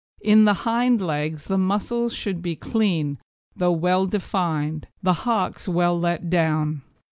In the hind legs the muscles should be clean, though well defined; the hocks well let down.